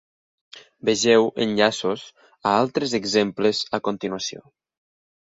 Vegeu enllaços a altres exemples a continuació.